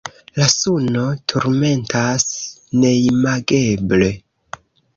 La suno turmentas neimageble.